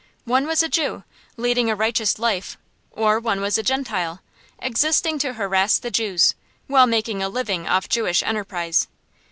One was a Jew, leading a righteous life; or one was a Gentile, existing to harass the Jews, while making a living off Jewish enterprise.